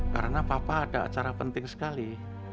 karena papa ada acara penting sekali